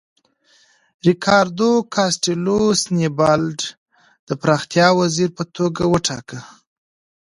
ریکاردو کاسټیلو سینیبالډي د پراختیا وزیر په توګه وټاکه.